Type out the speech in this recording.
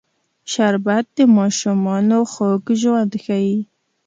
شربت د ماشومانو خوږ ژوند ښيي